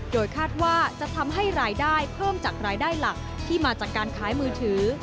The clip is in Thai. โดยคาดว่าจะทำให้รายได้เพิ่มจากรายได้หลักที่มาจากการขายมือถือ